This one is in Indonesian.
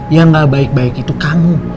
yang gak baik baik itu kamu